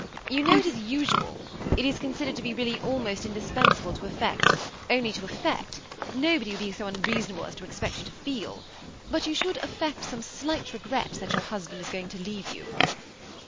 You know it is usual, it is considered to be really almost indispensable to affect, — only to affect, — nobody would be so unreasonable as to expect 206 THE SEIO ATTAGHED OOUPLB. joa to feel ; but you should affect some slight regret, that your husband is going to leave you."